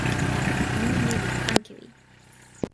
a, nimi mi li Ankewi.